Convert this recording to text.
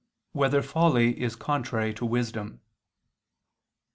1] Whether Folly Is Contrary to Wisdom?